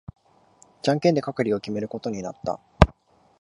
じゃんけんで係を決めることになった。